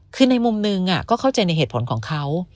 คือในมุมหนึ่งก็เข้าใจในเหตุผลของเขา